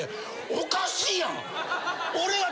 おかしいやん。